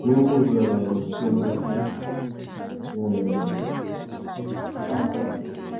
Onobuuza nti lwa nsonga ki?